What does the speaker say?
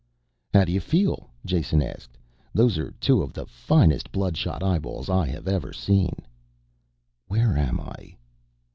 "How do you feel," Jason asked. "Those are two of the finest blood shot eyeballs I have ever seen." "Where am I?"